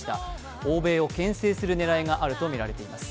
欧米を牽制する狙いがあるとみられています。